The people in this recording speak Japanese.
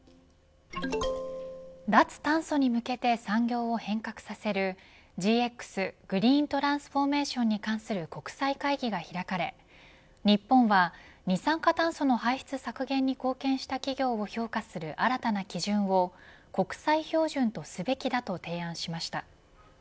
脱炭素に向けて産業を変革させるＧＸグリーントランスフォーメーションに間する国際会議が開かれ日本は二酸化炭素の排出削減に貢献した企業を評価する新たな基準を国際標準とすべきだと提案しました。